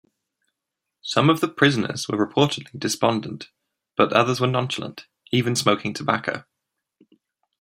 Some of the prisoners were reportedly despondent, but others were nonchalant, even smoking tobacco.